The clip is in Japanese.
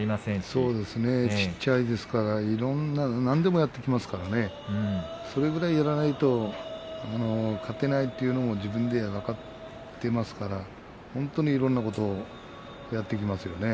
そうですね小っちゃいですから何でもやってきますからねそれくらいやらないと勝てないというのを自分で分かっていますから本当にいろんなことをやってきますね。